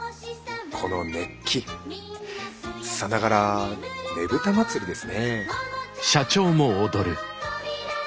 この熱気さながらねぶた祭ですね。